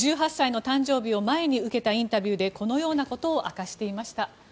１８歳の誕生日を前に受けたインタビューでこのようなことを明かしていました。